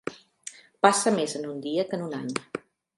Passa més en un dia que en un any.